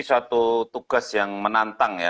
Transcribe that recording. suatu tugas yang menantang ya